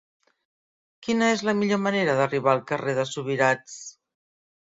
Quina és la millor manera d'arribar al carrer de Subirats?